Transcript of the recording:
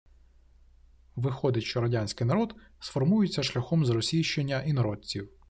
– Виходить, що радянський народ сформується шляхом зросійщення інородців